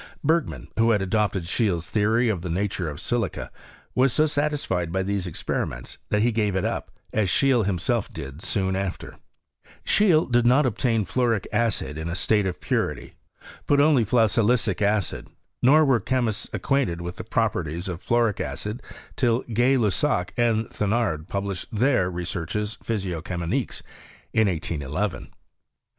Bergman, who had adopted Scheele's theory of the nature of silica, was so satis fled by these experiments, that he gave it up, as Scheele himself did soon after. Scheele did not obtain fluoric acid in a state of PROGBE8S OF CHEMISTRY IK SWEDEN. 65 purity, put only fluosilidc acid; nor were chemists acquainted with the properties of fluoric acid till Qay Lussac and Thenard published their Recherches Physico chimiques, in 1811* 3.